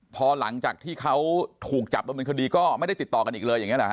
พอหลังจากที่เขาถูกจับดำเนินคดีก็ไม่ได้ติดต่อกันอีกเลยอย่างนี้หรอฮ